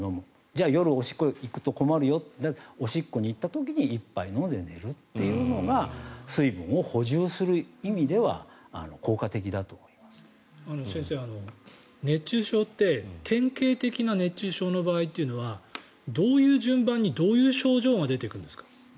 じゃあ、夜、おしっこに行くと困るよという時はおしっこに行く時に１杯、飲んで寝るというのが水分を補充する意味では先生、熱中症って典型的な熱中症の場合というのはどういう順番にどういう症状が出ていくんですか？